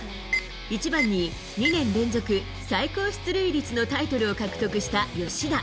１番に２年連続最高出塁率のタイトルを獲得した吉田。